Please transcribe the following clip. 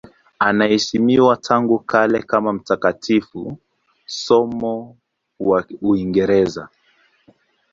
Anaheshimiwa tangu kale kama mtakatifu, somo wa Uingereza.